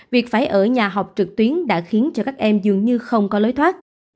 việc phải ở nhà học trực tuyến đã khiến cho các em dường như không có lối thoát